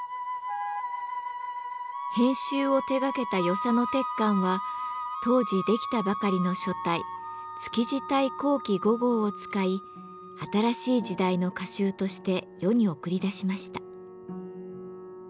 編集を手がけた与謝野鉄幹は当時出来たばかりの書体築地体後期五号を使い新しい時代の歌集として世に送り出しました。